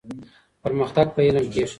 پرمختګ په علم کيږي.